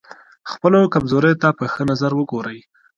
خپلو کمزوریو ته په ښه نظر وګورئ.